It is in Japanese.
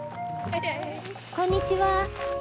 こんにちは。